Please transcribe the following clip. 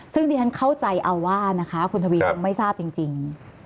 ซึ่งดิฉันเข้าใจเอาว่านะคะคุณทวีคงไม่ทราบจริง